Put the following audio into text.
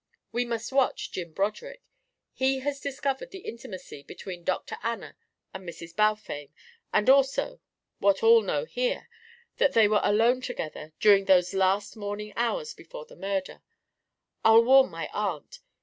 We must watch Jim Broderick. He has discovered the intimacy between Dr. Anna and Mrs. Balfame, and also what all know here that they were alone together during those last morning hours following the murder. I'll warn my aunt.